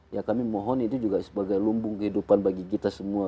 ya kami mohon itu juga sebagai lumbung kehidupan bagi kita semua